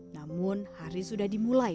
namun hari sudah dimulai